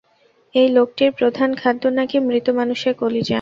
এই লোকটির প্রধান খাদ্য নাকি মৃত মানুষের কলিজা।